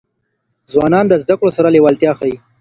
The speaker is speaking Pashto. ځوانان د زدهکړو سره لېوالتیا ښيي.